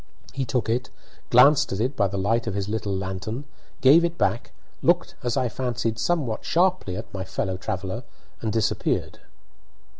He took it, glanced at it by the light of his little lantern, gave it back, looked, as I fancied, somewhat sharply at my fellow traveller, and disappeared.